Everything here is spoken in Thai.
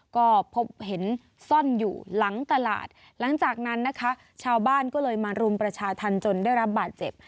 ก็พบเห็นซ่อนอยู่หลังตลาดหลังจากนั้นนะคะชาวบ้านก็เลยมารุมประชาธรรมจนได้รับบาดเจ็บ